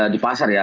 di pasar ya